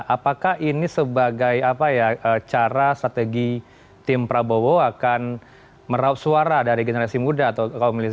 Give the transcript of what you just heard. apakah ini sebagai cara strategi tim prabowo akan merauh suara dari generasi muda